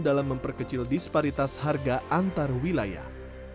dalam memperkecil disparitas harga antar wilayah